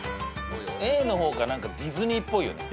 Ａの方が何かディズニーっぽいよね。